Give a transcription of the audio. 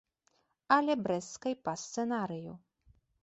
Але брэсцкай па сцэнарыю.